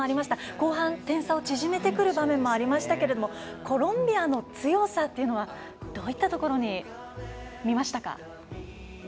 後半、点差を縮めてくる場面もありましたけどコロンビアの強さというのはどういったところに見ましたか？